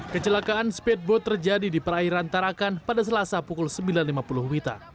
kecelakaan speedboat terjadi di perairan tarakan pada selasa pukul sembilan lima puluh wita